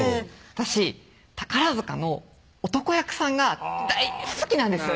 私宝塚の男役さんが大好きなんです